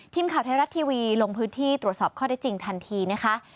ทีมข่าวไทยรัฐทีวีลงพื้นที่ตรวจสอบข้อได้จริงทันทีนะคะ